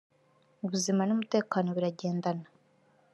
ubuzima n ‘umutekano biragendana.